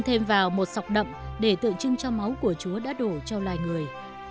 thêm vào một sọc đậm để tượng trưng cho máu của chúa đã đổ cho loài người